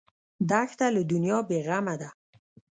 دښته له دنیا بېغمه ده.